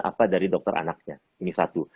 apa dari dokter anaknya ini satu